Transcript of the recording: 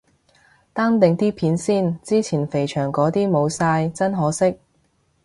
單定啲片先，之前肥祥嗰啲冇晒，真可惜。